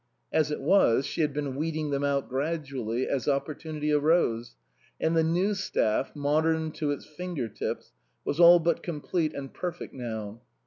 As it was, she had been weeding them out gradually, as opportunity arose ; and the new staff, modern to its finger tips, was all but complete and per fect now.